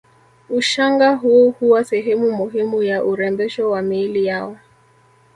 Ushanga huu huwa sehemu muhimu ya urembesho wa miili yao